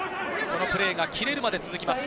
このプレーが切れるまで行われます。